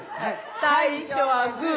最初はグー！